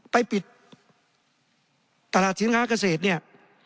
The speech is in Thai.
ไปปิดตลาดสินค้าเกษตรเนี่ย